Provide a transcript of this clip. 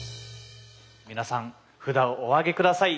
皆さん札をお上げ下さい。